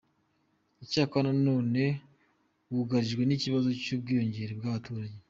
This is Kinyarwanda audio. Icyakora na none wugarijwe n’ikibazo cy’ubwiyongere bw’abaturage.